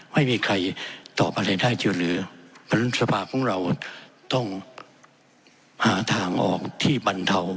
ไม่มีใครตอบอะไรได้อยู่เหลือบริษฐภาคของเราต้องหาทางออกที่บรรเทา